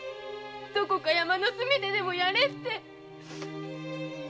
どこか山の隅ででもやれって。